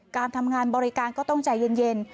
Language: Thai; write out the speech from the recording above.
การทำงานบริการก็ต้องใจเย็น